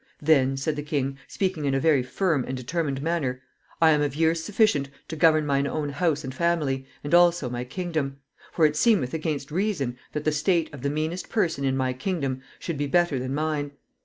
"Then," said the king, speaking in a very firm and determined manner, "I am of years sufficient to govern mine own house and family, and also my kingdom; for it seemeth against reason that the state of the meanest person in my kingdom should be better than mine.